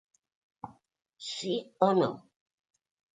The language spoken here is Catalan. Sí o no?.